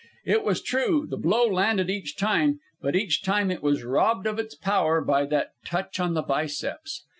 It was true, the blow landed each time; but each time it was robbed of its power by that touch on the biceps.